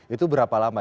itu berapa lama